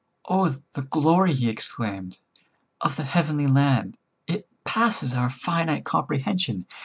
"Oh, the glory!" he exclaimed, "of the heavenly land. It passes our finite comprehension.